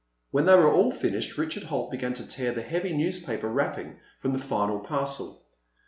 When they were all finished, Richard Holt began to tear the heavy newspaper wrapping from the final parcel.